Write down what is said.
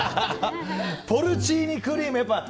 ポルチーニクリーム。